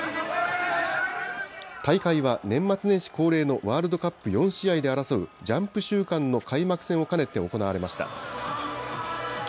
大会は年末年始恒例のワールドカップ４試合で争うジャンプ週間の開幕戦を兼ねて、行われました。